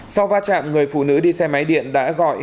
sau va chạm người phụ nữ đi xe máy điện đã gọi hai người đàn ông